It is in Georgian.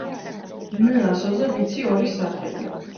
ნ ასოზე ვიცი ორი სახელი